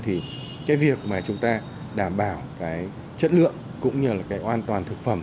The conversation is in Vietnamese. thì việc chúng ta đảm bảo chất lượng cũng như hoàn toàn thực phẩm